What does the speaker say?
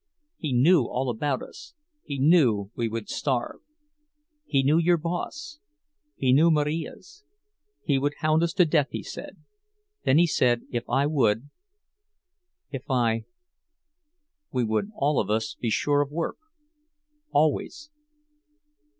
He knew all about us, he knew we would starve. He knew your boss—he knew Marija's. He would hound us to death, he said—then he said if I would—if I—we would all of us be sure of work—always.